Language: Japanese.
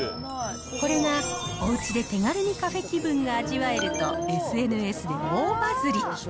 これが、おうちで手軽にカフェ気分が味わえるとＳＮＳで大バズり。